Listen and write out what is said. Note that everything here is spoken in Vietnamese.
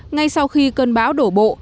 ngay sau khi cơn bão đổ bộ